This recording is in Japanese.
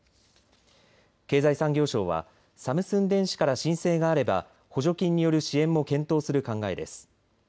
経済産業省はサムスン電子から申請があれば補助金による支援も検討する考えです。